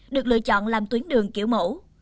được lựa chọn làm tuyến đường kiểu mẫu